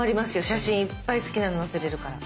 写真いっぱい好きなの載せれるから。